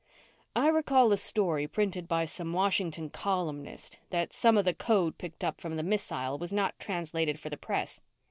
"I recall a story printed by some Washington columnist that some of the code picked up from the missile was not translated for the press.